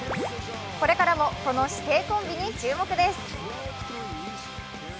これからもこの師弟コンビに注目です。